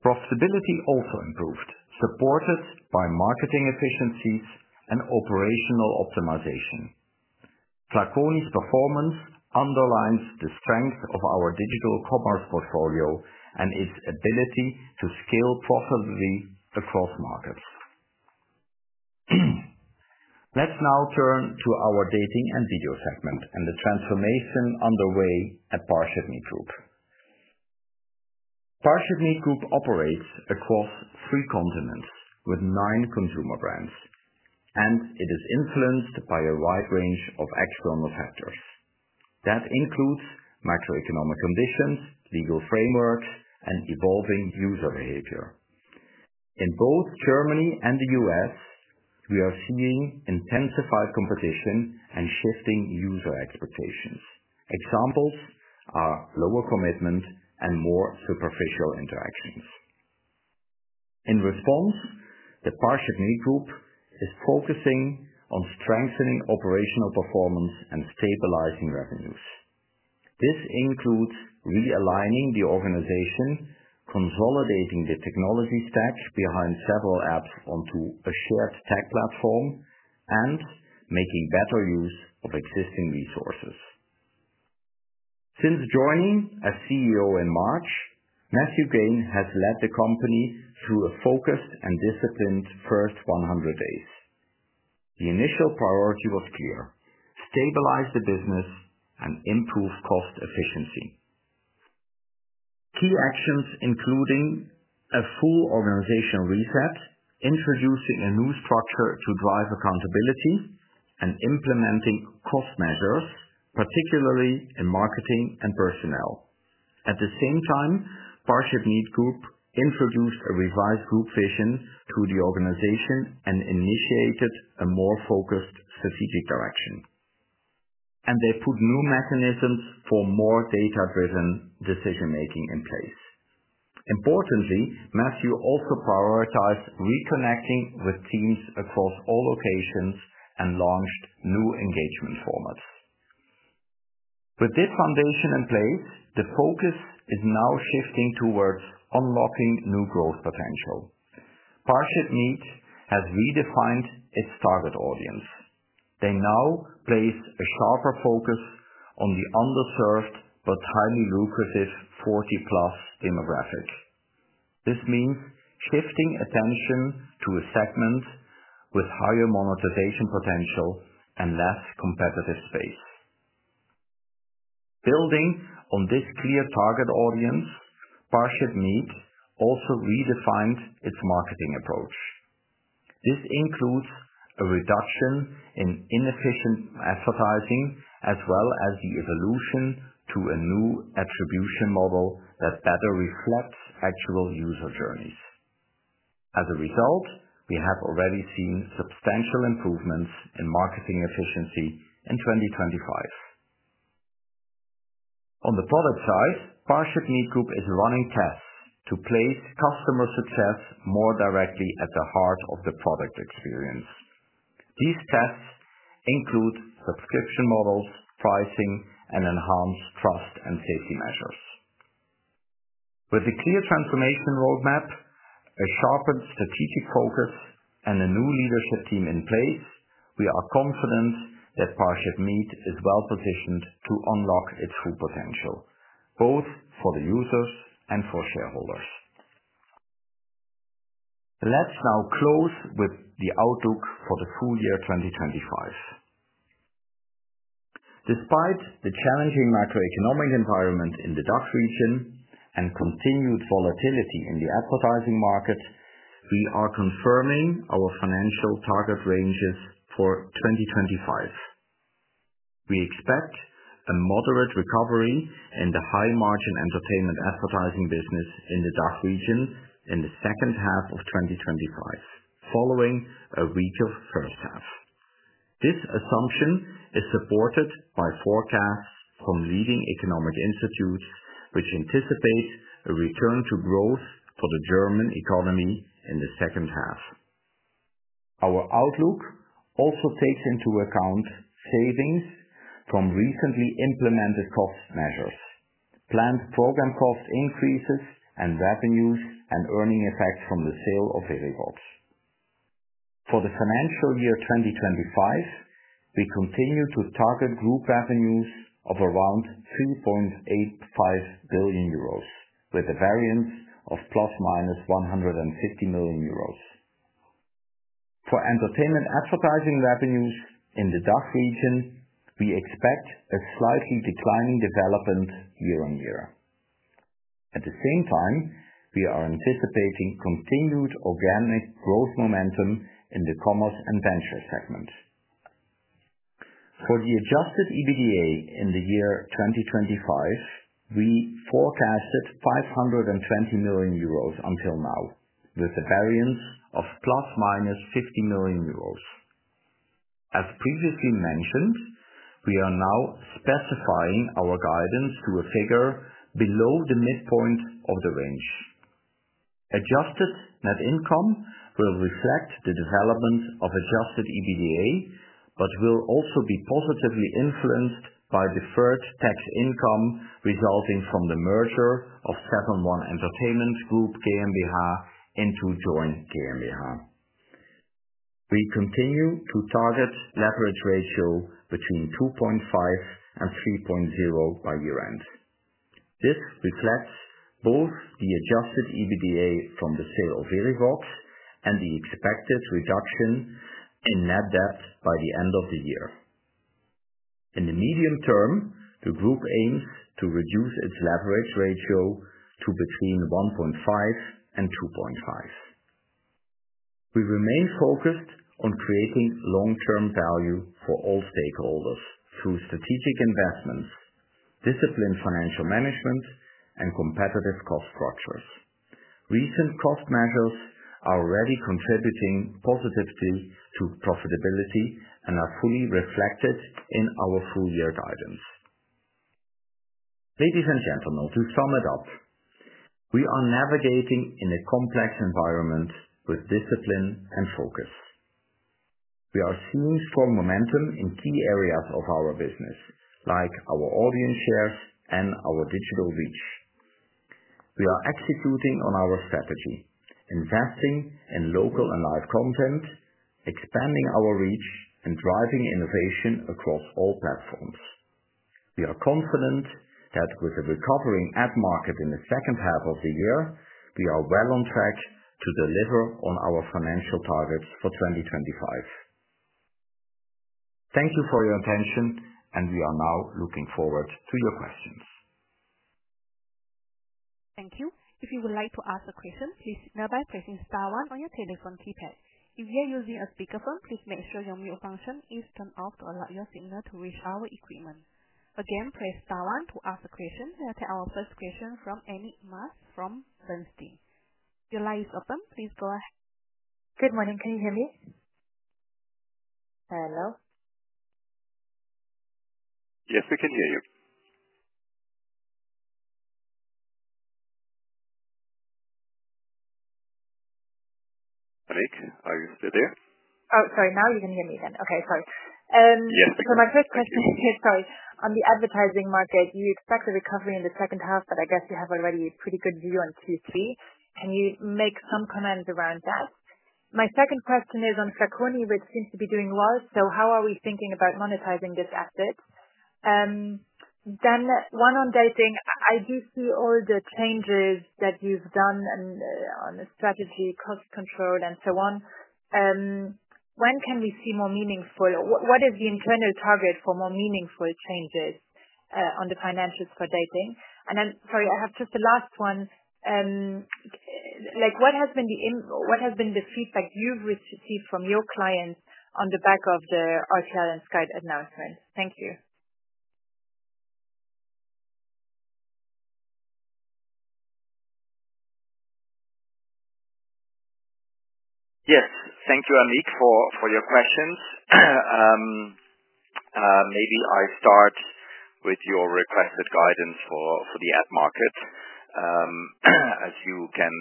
Profitability also improved, supported by marketing efficiencies and operational optimization. Flaconi's performance underlines the strength of our digital commerce portfolio and its ability to scale profitably across markets. Let's now turn to our dating and video segment and the transformation underway at ParshipMeet Group. ParshipMeet Group operates across three continents with nine consumer brands, and it is influenced by a wide range of external factors. That includes macroeconomic conditions, legal frameworks, and evolving user behavior. In both Germany and the U.S., we are seeing intensified competition and shifting user expectations. Examples are lower commitment and more superficial interactions. In response, the ParshipMeet Group is focusing on strengthening operational performance and stabilizing revenues. This includes realigning the organization, consolidating the technology stack behind several apps onto a shared tech platform, and making better use of existing resources. Since joining as CEO in March, Matthew Gain has led the company through a focused and disciplined first 100 days. The initial priority was clear: stabilize the business and improve cost efficiency. Key actions include a full organizational reset, introducing a new structure to drive accountability, and implementing cost measures, particularly in marketing and personnel. At the same time, ParshipMeet Group introduced a revised group vision to the organization and initiated a more focused strategic direction. They put new mechanisms for more data-driven decision-making in place. Importantly, Matthew also prioritized reconnecting with teams across all locations and launched new engagement formats. With this foundation in place, the focus is now shifting towards unlocking new growth potential. ParshipMeet has redefined its target audience. They now place a sharper focus on the underserved but highly lucrative 40-plus demographic. This means shifting attention to a segment with higher monetization potential and less competitive space. Building on this clear target audience, ParshipMeet also redefined its marketing approach. This includes a reduction in inefficient advertising as well as the evolution to a new attribution model that better reflects actual user journeys. As a result, we have already seen substantial improvements in marketing efficiency in 2025. On the product side, ParshipMeet Group is running tests to place customer success more directly at the heart of the product experience. These tests include subscription models, pricing, and enhanced trust and safety measures. With a clear transformation roadmap, a sharpened strategic focus, and a new leadership team in place, we are confident that ParshipMeet is well positioned to unlock its full potential, both for the users and for shareholders. Let's now close with the outlook for the full year 2025. Despite the challenging macroeconomic environment in the DACH region and continued volatility in the advertising market, we are confirming our financial target ranges for 2025. We expect a moderate recovery in the high-margin entertainment advertising business in the DACH region in the second half of 2025, following a weaker first half. This assumption is supported by forecasts from leading economic institutes, which anticipate a return to growth for the German economy in the second half. Our outlook also takes into account savings from recently implemented cost measures, planned program cost increases, and revenues and earning effects from the sale of Verivox. For the financial year 2025, we continue to target group revenues of around 3.85 billion euros, with a variance of ± 150 million euros. For entertainment advertising revenues in the DACH region, we expect a slightly declining development year-on-year. At the same time, we are anticipating continued organic growth momentum in the commerce and venture segment. For the adjusted EBITDA in the year 2025, we forecasted 520 million euros until now, with a variance of ± 50 million euros. As previously mentioned, we are now specifying our guidance to a figure below the midpoint of the range. Adjusted net income will reflect the development of adjusted EBITDA, but will also be positively influenced by deferred tax income resulting from the merger of Seven.One Entertainment Group GmbH into Joyn GmbH. We continue to target leverage ratio between 2.5x and 3.0x by year-end. This reflects both the adjusted EBITDA from the sale of Verivox and the expected reduction in net debt by the end of the year. In the medium-term, the group aims to reduce its leverage ratio to between 1.5x and 2.5x. We remain focused on creating long-term value for all stakeholders through strategic investments, disciplined financial management, and competitive cost structures. Recent cost measures are already contributing positively to profitability and are fully reflected in our full-year guidance. Ladies and gentlemen, to sum it up, we are navigating in a complex environment with discipline and focus. We are seeing strong momentum in key areas of our business, like our audience shares and our digital reach. We are executing on our strategy, investing in local and live content, expanding our reach, and driving innovation across all platforms. We are confident that with the recovering ad market in the second half of the year, we are well on track to deliver on our financial targets for 2025. Thank you for your attention, and we are now looking forward to your questions. Thank you. If you would like to ask a question, please do that by pressing star one on your telephone keypad. If you're using a speakerphone, please make sure your mute function is turned off to allow your signal to reach our equipment. Again, press star one to ask a question and take our first question from Annick Maas from Bernstein. Your line is open. Please go ahead. Good morning. Can you hear me? Hello? Yes, we can hear you. Annick, are you still there? Sorry. Now you can hear me. Okay. Sorry. Yes. My first question is, on the advertising market, you expect a recovery in the second half, but I guess you have already a pretty good view on Q3. Can you make some comments around that? My second question is on Flaconi, which seems to be doing well, so how are we thinking about monetizing this asset? Then one on dating, I do see all the changes that you've done on the strategy, cost control, and so on. When can we see more meaningful, or what is the internal target for more meaningful changes, on the financials for dating? I have just the last one. What has been the feedback you've received from your clients on the back of the RTL and Joyn announcement? Thank you. Yes. Thank you, Annick, for your questions. Maybe I start with your requested guidance for the ad market. As you can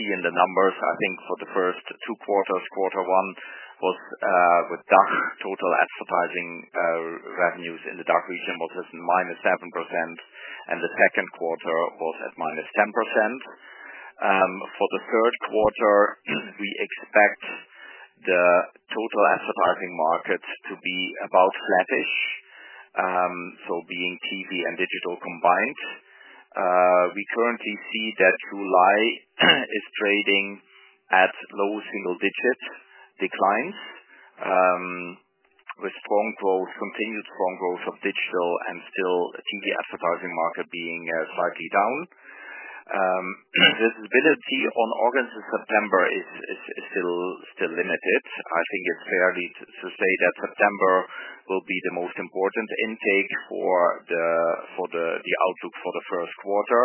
see in the numbers, I think for the first two quarters, quarter one was, with DACH total advertising, revenues in the DACH region was at -7%, and the second quarter was at -10%. For the third quarter, we expect the total advertising market to be about flattish, so being TV and digital combined. We currently see that July is trading at low single-digit declines, with strong growth, continued strong growth of digital and still the TV advertising market being slightly down. Visibility on August and September is still limited. I think it's fair to say that September will be the most important intake for the outlook for the first quarter.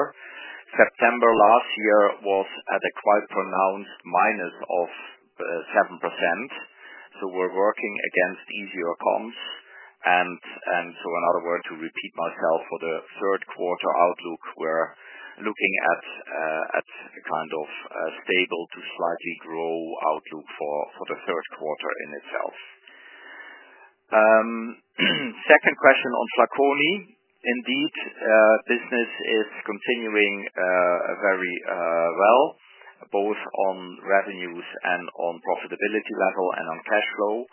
September last year was at a quite pronounced -7%, so we're working against easier comps. In other words, to repeat myself, for the third quarter outlook, we're looking at a kind of stable to slightly grow outlook for the third quarter in itself. Second question on Flaconi. Indeed, business is continuing very well, both on revenues and on profitability level and on cash flow.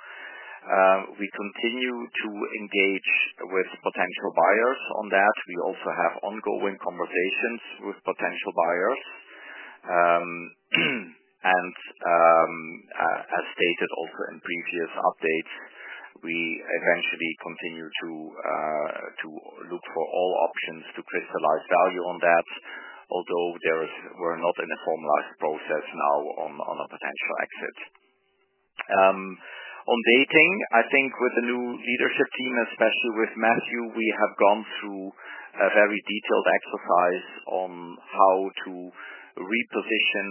We continue to engage with potential buyers on that. We also have ongoing conversations with potential buyers. As stated also in previous updates, we eventually continue to look for all options to crystallize value on that, although we're not in a formalized process now on a potential exit. On dating, I think with the new leadership team, especially with Matthew, we have gone through a very detailed exercise on how to reposition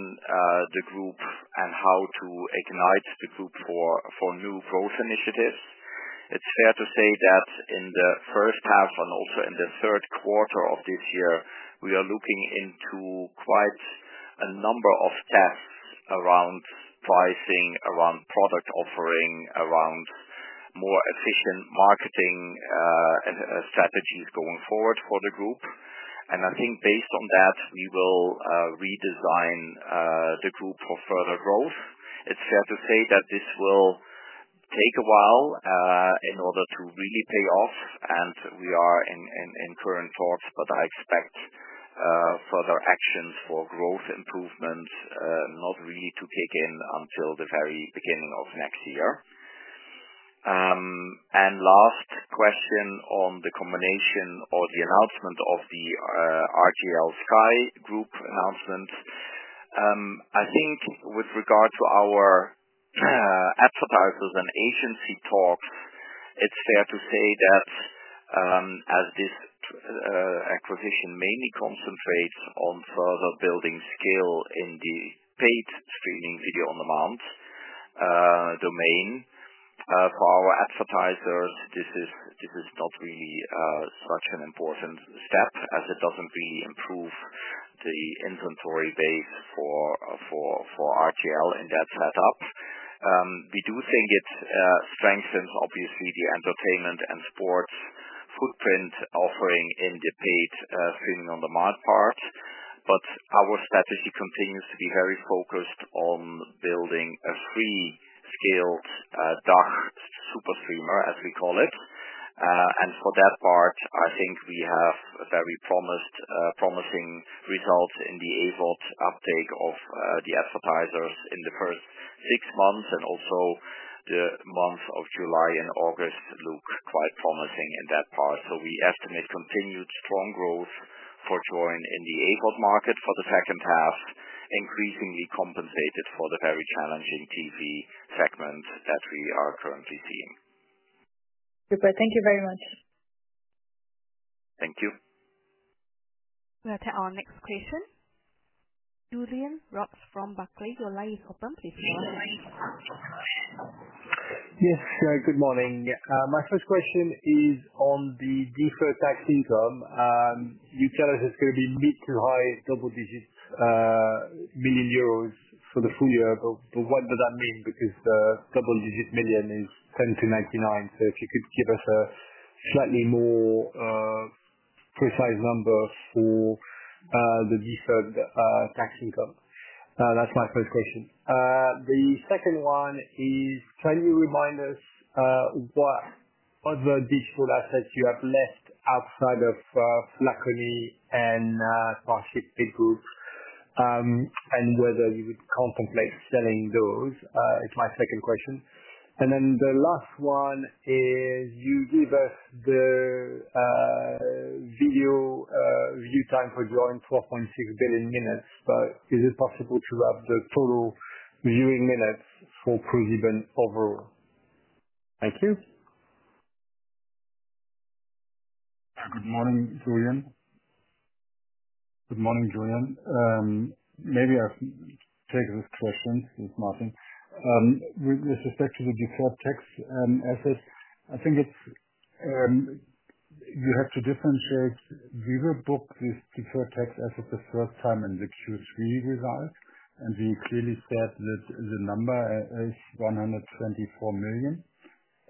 the group and how to ignite the group for new growth initiatives. It's fair to say that in the first half and also in the third quarter of this year, we are looking into quite a number of tests around pricing, around product offering, around more efficient marketing strategies going forward for the group. I think based on that, we will redesign the group for further growth. It's fair to say that this will take a while in order to really pay off, and we are in current thoughts, but I expect further actions for growth improvement not really to kick in until the very beginning of next year. Last question on the combination or the announcement of the RTL Sky Group announcement. I think with regard to our advertisers and agency talks, it's fair to say that as this acquisition mainly concentrates on further building skill in the paid streaming video on demand domain, for our advertisers, this is not really such an important step as it doesn't really improve the inventory base for RTL Germany in that setup. We do think it strengthens, obviously, the entertainment and sports footprint offering in the paid streaming on demand part. Our strategy continues to be very focused on building a free scaled DACH super streamer, as we call it. For that part, I think we have a very promising result in the AVOD uptake of the advertisers in the first six months, and also the months of July and August look quite promising in that part. We estimate continued strong growth for Joyn in the AVOD market for the second half, increasingly compensated for the very challenging TV segment that we are currently seeing. Super. Thank you very much. Thank you. We'll take our next question. Julien Roch from Barclays, your line is open. Please go ahead. Yes. Good morning. My first question is on the deferred tax income. You tell us it's going to be mid to high double-digit million euros for the full year, but what does that mean? Because the double-digit million is 10 million-99 million. If you could give us a slightly more precise number for the deferred tax income. That's my first question. The second one is, can you remind us what other digital assets you have left outside of Flaconi and ParshipMeet Group and whether you would contemplate selling those? It's my second question. The last one is, you gave us the video view time for Joyn, 4.6 billion minutes, but is it possible to have the total viewing minutes for ProSiebenSat.1's overall? Thank you. Good morning, Julian. Maybe I'll take this question, this is Martin. With respect to the deferred tax assets, I think you have to differentiate. We will book this deferred tax asset the first time in the Q3 results, and we clearly said that the number is 124 million.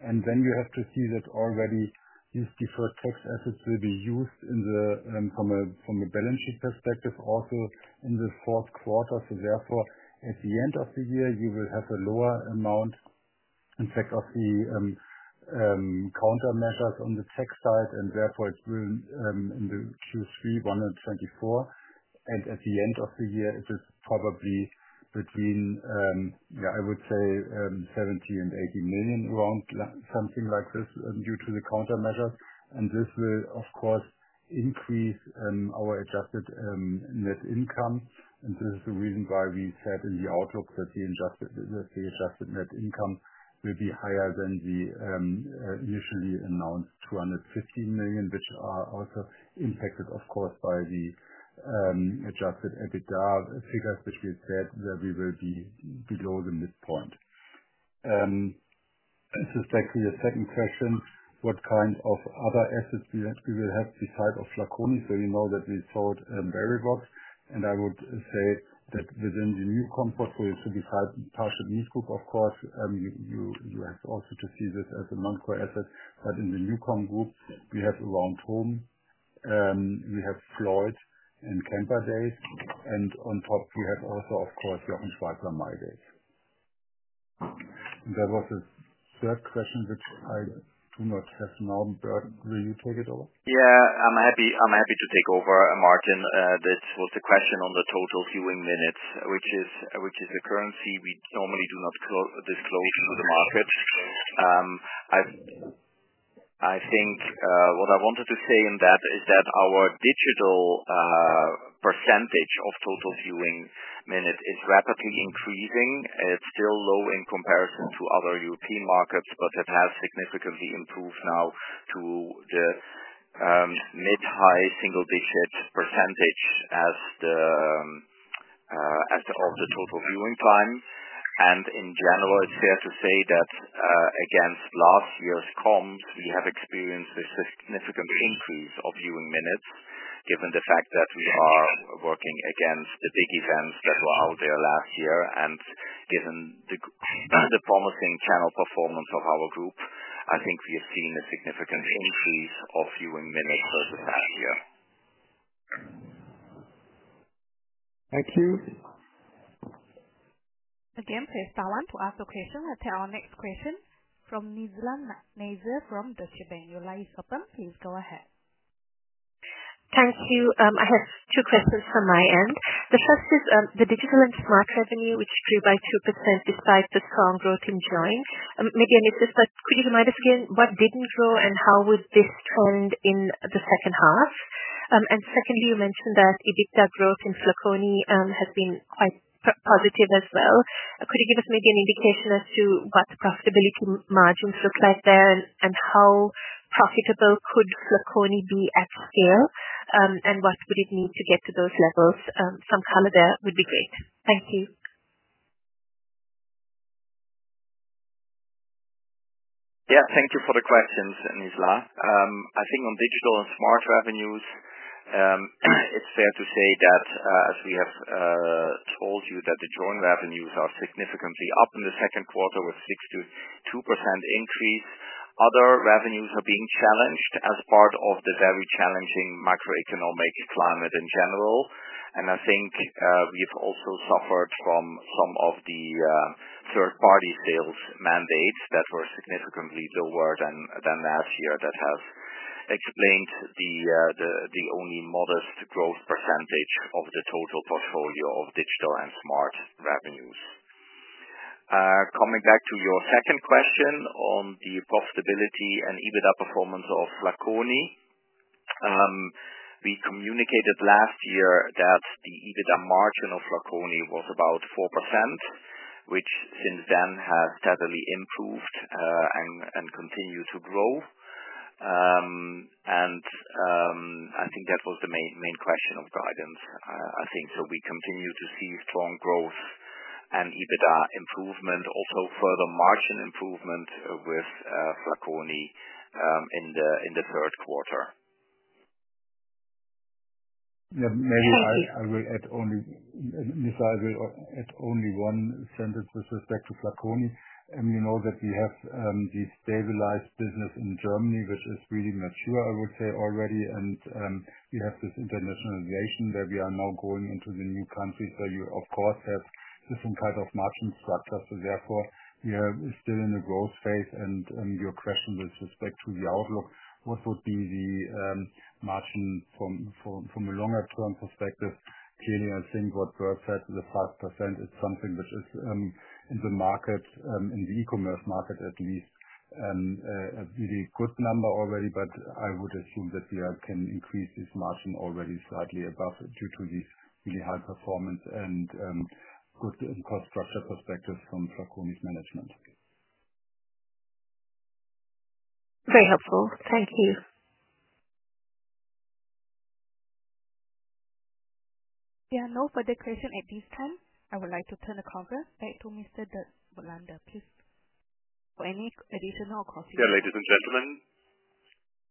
You have to see that already these deferred tax assets will be used from a balance sheet perspective also in the fourth quarter. Therefore, at the end of the year, you will have a lower amount, in fact, of the countermeasures on the tax side, and therefore it will in Q3 be 124 million. At the end of the year, it is probably between, yeah, I would say 70 million and 80 million, around something like this due to the countermeasures. This will, of course, increase our adjusted net income. This is the reason why we said in the outlook that the adjusted net income will be higher than the initially announced 250 million, which are also impacted, of course, by the adjusted EBITDA figures, which we said that we will be below the midpoint. With respect to your second question, what kind of other assets we will have besides Flaconi? You know that we sold Verivox, and I would say that within the NuCom portfolio, so besides ParshipMeet Group, of course, you have also to see this as a non-core asset. In the NuCom Group, we have Aroundhome, we have Floyd and Kaefer Days, and on top, we have also, of course, Jochen Schweizer mydays. That was the third question, which I do not have now. Bert, will you take it over? Yeah. I'm happy to take over, Martin. This was a question on the total viewing minutes, which is a currency we normally do not disclose to the market. I think what I wanted to say in that is that our digital percentage of total viewing minutes is rapidly increasing. It's still low in comparison to other European markets, but it has significantly improved now to the mid-high single-digit percentage as of the total viewing time. In general, it's fair to say that against last year's comps, we have experienced a significant increase of viewing minutes given the fact that we are working against the big events that were out there last year. Given the promising channel performance of our group, I think we have seen a significant increase of viewing minutes versus last year. Thank you. Again, press star one to ask a question. We'll take our next question from Nizla Naizer from Deutsche Bank. Your line is open. Please go ahead. Thank you. I have two questions from my end. The first is the digital and smart revenue, which grew by 2%, besides the strong growth in Joyn. Maybe I missed this, but could you remind us again what didn't grow and how would this trend in the second half? Secondly, you mentioned that EBITDA growth in Flaconi has been quite positive as well. Could you give us maybe an indication as to what the profitability margins look like there and how profitable could Flaconi be at scale and what would it need to get to those levels? Some color there would be great. Thank you. Yeah. Thank you for the questions, Nizla. I think on digital and smart revenues, it's fair to say that, as we have told you, that the Joyn revenues are significantly up in the second quarter with a 62% increase. Other revenues are being challenged as part of the very challenging macroeconomic climate in general. I think we've also suffered from some of the third-party sales mandates that were significantly lower than last year. That has explained the only modest growth percentage of the total portfolio of digital and smart revenues. Coming back to your second question on the profitability and EBITDA performance of Flaconi. We Communicated last year that the EBITDA margin of Flaconi was about 4%, which since then has steadily improved and continues to grow. I think that was the main question of guidance, I think. We continue to see strong growth and EBITDA improvement, also further margin improvement, with Flaconi in the third quarter. Yeah. Maybe I will add only, I will add only one sentence with respect to Flaconi. You know that we have the stabilized business in Germany, which is really mature, I would say, already. We have this internationalization that we are now going into the new countries where you, of course, have different kinds of margin structures. Therefore, we are still in the growth phase. Your question with respect to the outlook, what would be the margin from a longer-term perspective? Clearly, I think what Bert said, the 5% is something which is in the market, in the e-commerce market at least, a really good number already. I would assume that we can increase this margin already slightly above due to this really high performance and good infrastructure perspective from Flaconi's management. Very helpful. Thank you. Yeah. No further question at this time. I would like to turn the conference back to Mr. Dirk Voigtländer, please, for any additional questions or concerns. Ladies and gentlemen,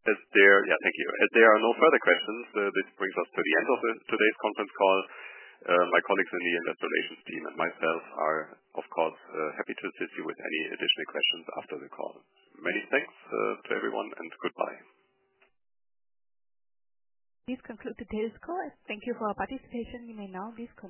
thank you. As there are no further questions, this brings us to the end of today's conference call. My colleagues in the Investor Relations team and myself are, of course, happy to assist you with any additional questions after the call. Many thanks to everyone, and goodbye. This concludes today's call. Thank you for your participation. You may now disconnect.